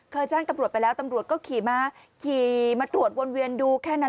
แจ้งตำรวจไปแล้วตำรวจก็ขี่มาขี่มาตรวจวนเวียนดูแค่นั้น